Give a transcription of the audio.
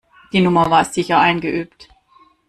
Die Nummer war sicher eingeübt.